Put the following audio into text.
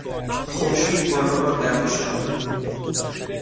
خورشید باران را درآشامید.